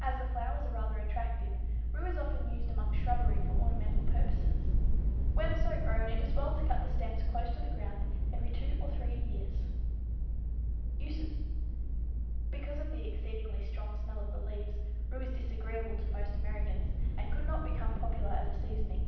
As the flowers are rather attractive, rue is often used among shrubbery for ornamental purposes. When so grown it is well to cut the stems close to the ground every two or three years. [Illustration: Rue, Sour Herb of Grace] Uses. Because of the exceedingly strong smell of the leaves, rue is disagreeable to most Americans, and could not become popular as a seasoning.